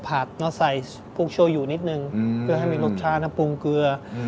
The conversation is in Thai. เราผัดแล้วใส่พวกโชยูนิดหนึ่งเพื่อให้มีรสชาติแล้วปรุงเกลืออืม